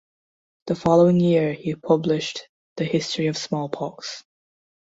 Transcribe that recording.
The following year he published "The history of smallpox".